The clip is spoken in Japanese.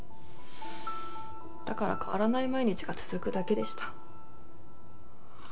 だから変わらない毎日が続くだけでした。